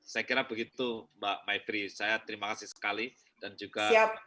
saya kira begitu mbak maibri saya terima kasih sekali dan juga